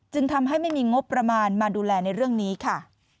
จึงทำให้ไม่มีงบประมาณมาดูแลในเรื่องนี้ค่ะ